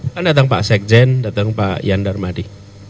kan datang pak sekjen datang pak yand darmadi